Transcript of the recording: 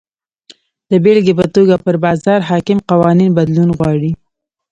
د بېلګې په توګه پر بازار حاکم قوانین بدلون غواړي.